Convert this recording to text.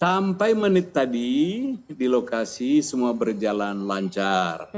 sampai menit tadi di lokasi semua berjalan lancar